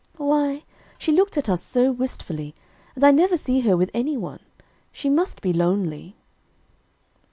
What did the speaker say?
"Why she looked at us so wistfully, and I never see her with anyone; she must be lonely."